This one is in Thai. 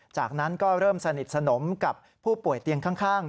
จากนั้นก็เริ่มสนิทสนมกับผู้ป่วยเตียงข้าง